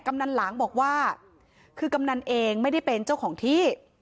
กำนันหลังบอกว่าคือกำนันเองไม่ได้เป็นเจ้าของที่